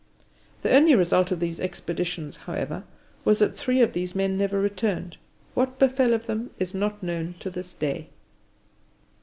The only result of these expeditions, however, was that three of these men never returned; what befell them is not known to this day.